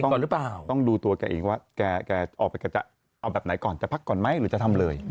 ก่อนหรือเปล่าต้องดูตัวแกเองว่าแกออกไปแกจะเอาแบบไหนก่อนจะพักก่อนไหมหรือจะทำเลย